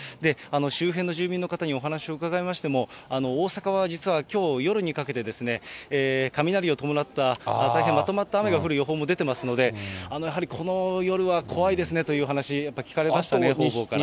周辺の住民の方にお話を伺いましても、大阪は実はきょう夜にかけて、雷を伴った大変まとまった雨が降る予報も出ていますので、やはりこの夜は怖いですねという話、やっぱり聞かれましたね、ほうぼうから。